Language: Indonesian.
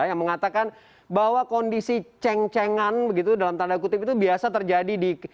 yang mengatakan bahwa kondisi ceng cengan begitu dalam tanda kutip itu biasa terjadi di